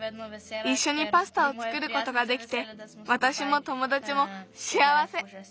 いっしょにパスタをつくることができてわたしもともだちもしあわせ。